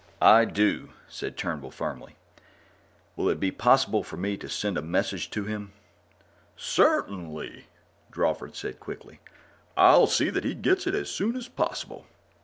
"I do," said Turnbull firmly. "Will it be possible for me to send a message to him?" "Certainly," Drawford said quickly. "I'll see that he gets it as soon as possible.